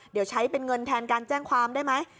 เดี๋ยวใช้เป็นเงินแทนการแจ้งความได้ไหม